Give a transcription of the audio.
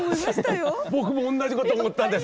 僕もおんなじこと思ったんです。